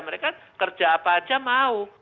mereka kerja apa aja mau